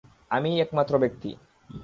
আমিই একমাত্র ব্যক্তি!